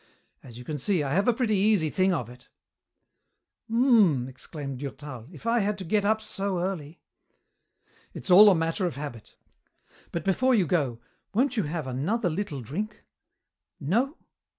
As you can see, I have a pretty easy thing of it." "Mmmm!" exclaimed Durtal, "if I had to get up so early!" "It's all a matter of habit. But before you go won't you have another little drink? No?